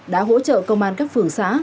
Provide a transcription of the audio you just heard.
đã hỗ trợ công an các phường xã